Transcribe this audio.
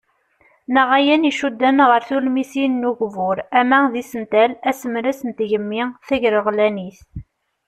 Neɣ ayen iccuden ɣer tulmisin n ugbur ama d isental, asemres n tgemmi ,tagreɣlanit.